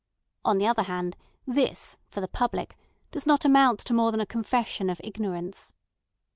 On the other hand, this, for the public, does not amount to more than a confession of ignorance."